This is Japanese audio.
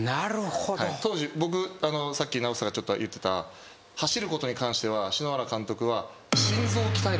当時僕さっき直寿が言ってた走ることに関しては篠原監督は。